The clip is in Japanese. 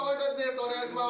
お願いします。